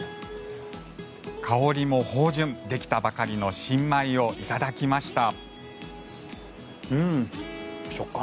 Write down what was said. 香りも芳醇できたばかりの新米をいただきました。